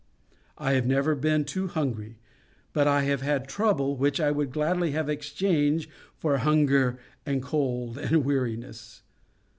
I have never been too hungry, but I have had trouble which I would gladly have exchanged for hunger and cold and weariness.